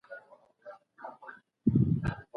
په جلال اباد کي د صنعت لپاره کارګران څنګه روزل کېږي؟